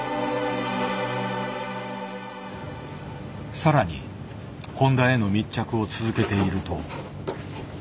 更に誉田への密着を続けていると。